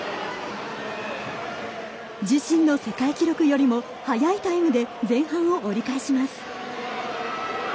自身の世界記録よりも速いタイムで前半を折り返します。